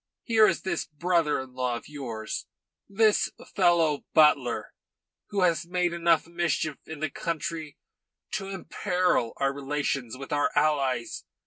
Here is this brother in law of yours, this fellow Butler, who has made enough mischief in the country to imperil our relations with our allies.